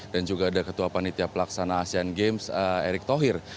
dan juga ada ketua panitia pelaksanaan asian games erick thohir